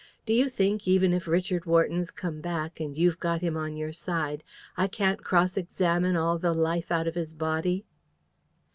Do you think, even if Richard Wharton's come back, and you've got him on your side, I can't cross examine all the life out of his body?'